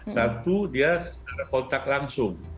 satu dia kontak langsung